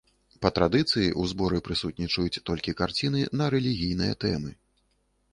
Па традыцыі ў зборы прысутнічаюць толькі карціны на рэлігійныя тэмы.